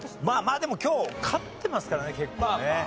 まあでも今日勝ってますからね結構ね。